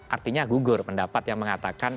artinya gugur pendapat yang mengatakan